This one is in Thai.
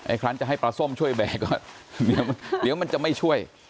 ครั้งจะให้ปลาส้มช่วยแบกก่อนเดี๋ยวมันจะไม่ช่วย